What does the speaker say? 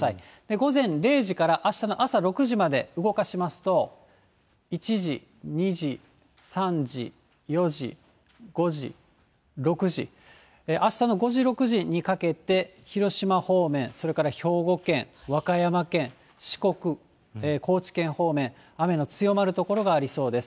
午前０時からあしたの朝６時まで動かしますと、１時、２時、３時、４時、５時、６時、あしたの５時、６時にかけて、広島方面、それから兵庫県、和歌山県、四国、高知県方面、雨の強まる所がありそうです。